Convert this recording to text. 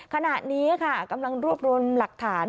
ขณะนี้ค่ะกำลังรวบรวมหลักฐาน